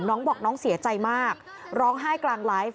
น้องบอกน้องเสียใจมากร้องไห้กลางไลฟ์